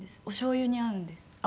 おしょうゆに合うんです。